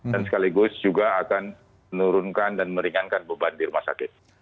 dan sekaligus juga akan menurunkan dan meringankan beban di rumah sakit